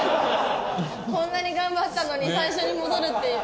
こんなに頑張ったのに最初に戻るっていう。